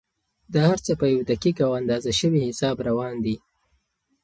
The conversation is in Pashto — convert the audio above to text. دا هر څه په یو دقیق او اندازه شوي حساب روان دي.